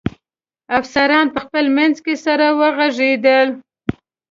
افسران په خپل منځ کې سره و غږېدل.